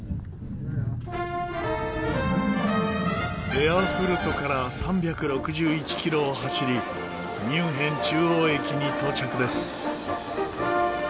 エアフルトから３６１キロを走りミュンヘン中央駅に到着です。